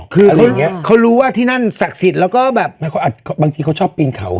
คือเขารู้ว่าที่นั่นศักดิ์สิทธิ์แล้วก็แบบบางทีเขาชอบปีนเขา